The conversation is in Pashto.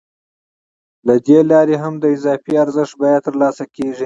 له دې لارې هم د اضافي ارزښت بیه ترلاسه کېږي